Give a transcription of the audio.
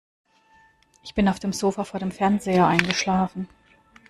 Ich bin auf dem Sofa vor dem Fernseher eingeschlafen.